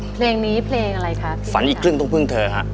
เพลงนี้เพลงอะไรคะฝันอีกครึ่งต้องพึ่งเธอฮะ